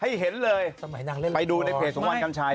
ให้เห็นเลยไปดูในเพจวันกัลชัยเพราะว่านั่งเล่นหลังบ่อย